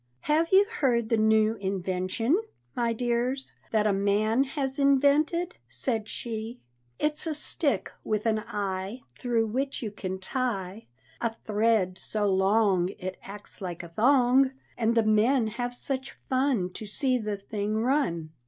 "Have you heard the new invention, my dears, That a man has invented?" said she. "It's a stick with an eye Through which you can tie A thread so long, it acts like a thong, And the men have such fun, To see the thing run!